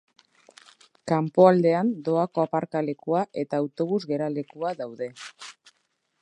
Kanpoaldean doako aparkalekua eta autobus geralekua daude.